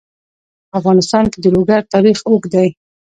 په افغانستان کې د لوگر تاریخ اوږد دی.